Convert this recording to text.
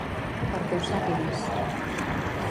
Perquè ho sàpigues!